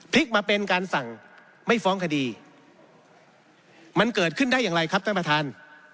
มาเป็นการสั่งไม่ฟ้องคดีมันเกิดขึ้นได้อย่างไรครับท่านประธาน